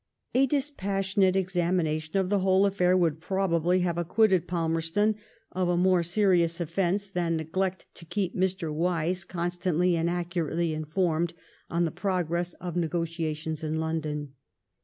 A dispassionate examina tioQ of the whole afiRur would probably have acquitted Palmerston of a more serious offence than neglect to keep Mr. Wyse constantly and accurately informed on the progress of negotiations in London.